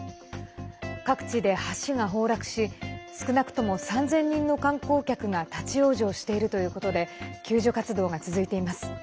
各地で橋が崩落し少なくとも３０００人の観光客が立往生しているということで救助活動が続いています。